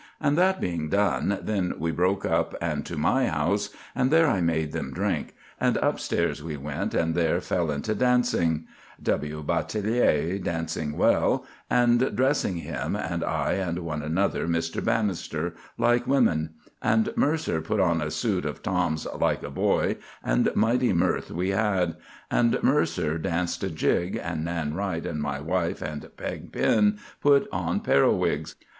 And that being done, then we broke up, and to my house, and there I made them drink; and upstairs we went, and there fell into dancing (W. Batelier dancing well), and dressing him and I and one Mr. Banister ... like women; and Mercer put on a suit of Tom's like a boy, and mighty mirth we had; and Mercer danced a jig, and Nan Wright and my wife and Pegg Pen put on periwigs.